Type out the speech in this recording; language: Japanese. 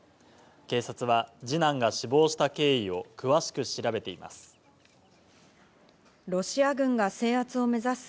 警察は二男が死亡した経緯を詳しく調べています。